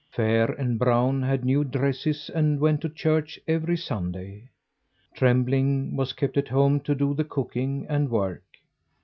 Fair and Brown had new dresses, and went to church every Sunday. Trembling was kept at home to do the cooking and work.